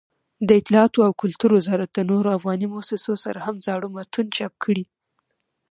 دطلاعاتو او کلتور وزارت د نورو افغاني مؤسسو سره هم زاړه متون چاپ کړي.